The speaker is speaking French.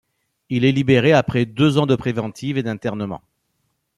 Il est libéré après deux ans de préventive et d'internement.